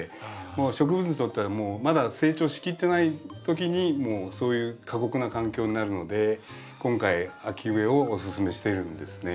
もう植物にとってはまだ成長しきってない時にもうそういう過酷な環境になるので今回秋植えをおすすめしてるんですね。